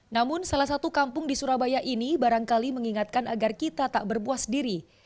namun salah satu kampung di surabaya ini barangkali mengingatkan agar kita tak berpuas diri